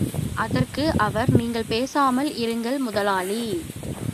அதற்கு அவர் நீங்கள் பேசாமல் இருங்கள் முதலாளி.